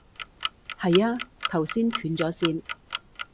係啊，頭先斷咗線